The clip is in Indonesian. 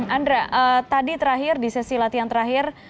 andra tadi terakhir di sesi latihan terakhir